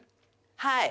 はい。